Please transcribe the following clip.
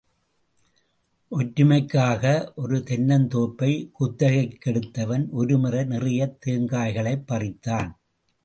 ஒற்றுமைக்காக ஒரு தென்னந் தோப்பைக் குத்தகைக்கு எடுத்தவன், ஒருமுறை நிறையத் தேங்காய்களைப் பறித்தான்.